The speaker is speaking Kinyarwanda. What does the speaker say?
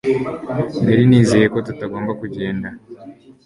Nari nizeye ko tutagomba kugenda